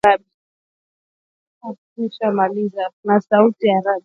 Iran yaamua kusitisha mazungumzo yake ya siri na Saudi Arabia